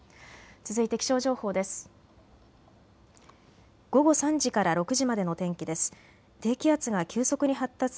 続いて気象情報です。